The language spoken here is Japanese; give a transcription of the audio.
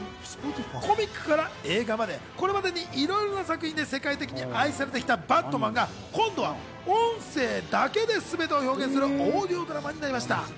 コミックから映画まで、これまでにいろいろな作品で世界的に愛されてきた『バットマン』が今度は音声だけで全てを表現するオーディオドラマになりました。